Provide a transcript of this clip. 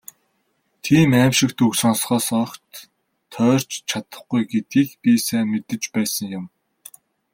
Тийм «аймшигт» үг сонсохоос огт тойрч чадахгүй гэдгийг би сайн мэдэж байсан юм.